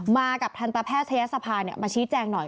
มากับทันตะแพทย์ทะเย็ดสภามาชี้แจงหน่อย